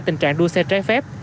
tình trạng đua xe trái phép